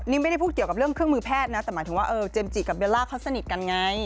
นี่ไม่ได้พูดเกี่ยวกับเรื่องเครื่องมือแพทย์นะแต่หมายถึงว่าเจมสจิกับเบลล่าเขาสนิทกันไง